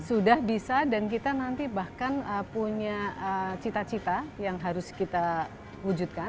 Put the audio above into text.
sudah bisa dan kita nanti bahkan punya cita cita yang harus kita wujudkan